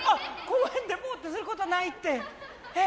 公園でボーッとすることはないってえ